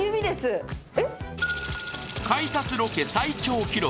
買い達ロケ最長記録